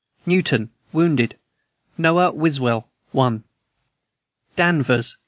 NEWTON. Wounded: Noah Wiswell, 1. DANVERS.